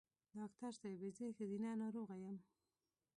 ډاکټر صېبې زه ښځېنه ناروغی یم